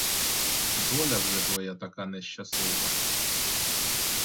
Доля вже твоя така нещаслива.